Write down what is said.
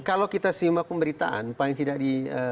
kalau kita simak pemberitaan paling tidak di